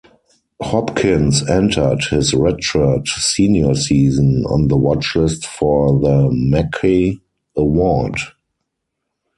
Hopkins entered his redshirt senior season on the watchlist for the Mackey Award.